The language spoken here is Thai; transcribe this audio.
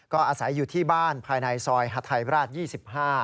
ก็อาศัยอยู่ที่บ้านภายในซอยฮาไทยราช๒๕